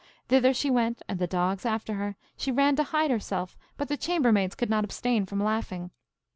Thither she went, and the dogs after her; she ran to hide herself, but the chambermaids could not abstain from laughing.